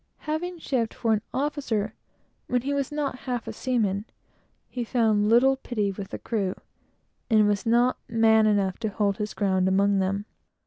Having shipped for an officer when he was not half a seaman, he found little pity with the crew, and was not man enough to hold his ground among them.